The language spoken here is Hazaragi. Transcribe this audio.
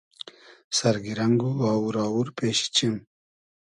سئر گیرنئگ و آوور آوور پېشی چیم